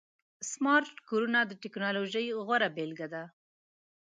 سمارټ کورونه د ټکنالوژۍ غوره بيلګه ده.